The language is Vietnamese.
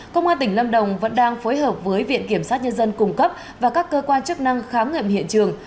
công an tỉnh lâm đồng vẫn đang phối hợp với viện kiểm sát nhân dân cung cấp và các cơ quan chức năng khám nghiệm hiện trường